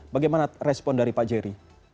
bagaimana respon dari pak jerry